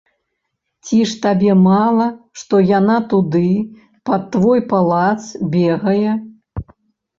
Ці ж табе мала, што яна туды, пад твой палац, бегае?